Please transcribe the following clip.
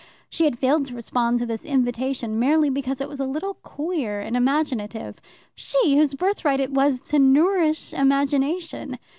She had failed to respond to this invitation merely because it was a little queer and imaginative she, whose birthright it was to nourish imagination!